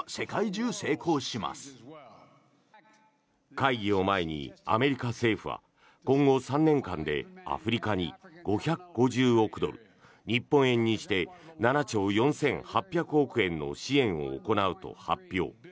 会議を前にアメリカ政府は今後３年間でアフリカに５５０億ドル日本円にして７兆４８００億円の支援を行うと発表。